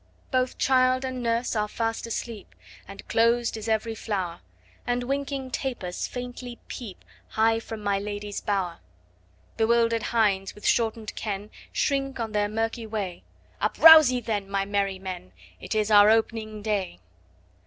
Both child and nurse are fast asleep, And closed is every flower, 10 And winking tapers faintly peep High from my lady's bower; Bewilder'd hinds with shorten'd ken Shrink on their murky way; Uprouse ye then, my merry men! 15 It is our op'ning day.